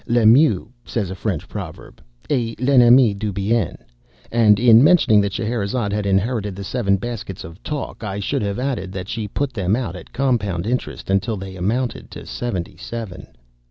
"Le mieux," says a French proverb, "est l'ennemi du bien," and, in mentioning that Scheherazade had inherited the seven baskets of talk, I should have added that she put them out at compound interest until they amounted to seventy seven.